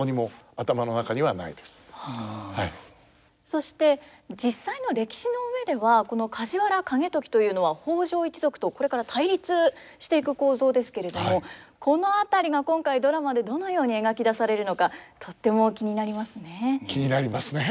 そして実際の歴史の上ではこの梶原景時というのは北条一族とこれから対立していく構造ですけれどもこの辺りが今回ドラマでどのように描き出されるのかとっても気になりますね。